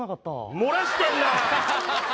漏らしてんな。